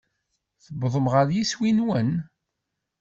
Tewwḍem ɣer yiswi-nwen?